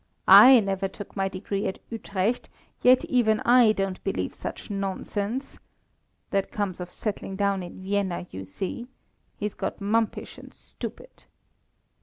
I never took my degree at Utrecht, yet even I don't believe such nonsense. That comes of settling down in Vienna, you see. He's got mumpish and stupid."